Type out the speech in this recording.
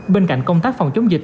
bên cạnh công tác phòng chống dịch